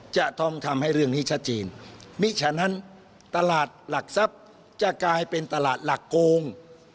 จะต้องทำให้เรื่องนี้ชัดเจนมิฉะนั้นตลาดหลักทรัพย์จะกลายเป็นตลาดหลักโกง